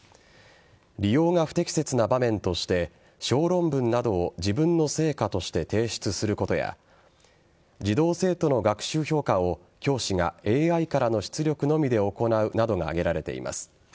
利用が不適切な場面として小論文などを自分の成果として提出することや児童生徒の学習評価を教師がＡＩからの出力のみで行うなどが挙げられています。